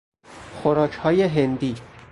خوراکهای هندی